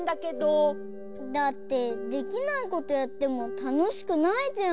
だってできないことやってもたのしくないじゃん。